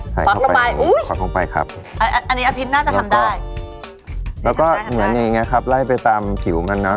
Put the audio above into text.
ใส่เข้าไปคลับเข้าไปครับแล้วก็แล้วก็เหมือนอย่างนี้ไงครับไล่ไปตามผิวมันนะ